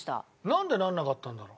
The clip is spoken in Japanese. なんでならなかったんだろう？